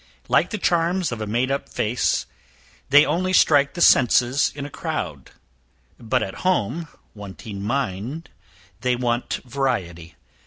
Like the charms of a made up face, they only strike the senses in a crowd; but at home, wanting mind, they want variety.